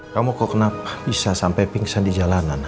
kamu kok kenapa bisa sampai pingsan di jalanan